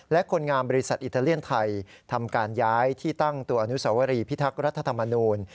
และคนงามบริษัทอิตาเลียนไทยทำการย้ายที่ตั้งตัวอนุสวรีพิทักษ์รัฐธรรมนูล